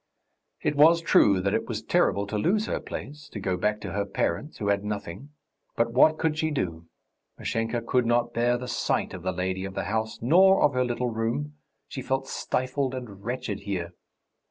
It was true it was terrible to lose her place, to go back to her parents, who had nothing; but what could she do? Mashenka could not bear the sight of the lady of the house nor of her little room; she felt stifled and wretched here.